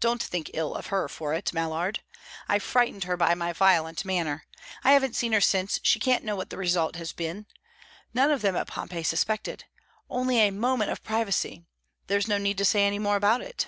Don't think ill of her for it, Mallard. I frightened her by my violent manner. I haven't seen her since; she can't know what the result has been. None of them at Pompeii suspected only a moment of privacy; there's no need to say any more about it."